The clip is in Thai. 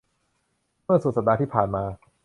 เมื่อสุดสัปดาห์ที่ผ่านมา